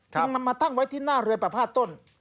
มันนำมาตั้งไว้ที่หน้าเรือนปราภาษณ์ต้น